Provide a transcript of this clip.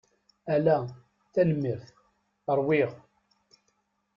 Ala, tenemmirt. Ṛwiɣ.